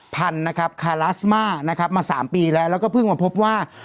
พันธุ์นะครับคาลาสมานะครับมา๓ปีแล้วแล้วก็เพิ่งมาพบว่า